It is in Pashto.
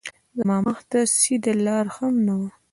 زما مخ ته سیده لار هم نه وه